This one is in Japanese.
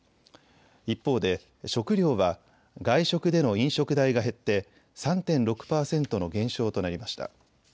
一方で食料は外食での飲食代が減って３．６％の減少となりました。